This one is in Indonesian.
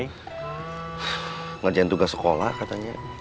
nggak jalan tukang sekolah katanya